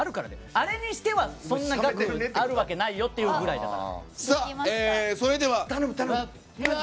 あれにしてはそんな額あるわけないよってぐらいだから。